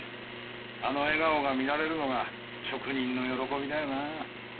あの笑顔が見られるのが職人の喜びだよな。